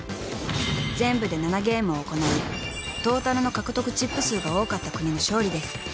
［全部で７ゲームを行いトータルの獲得チップ数が多かった国の勝利です］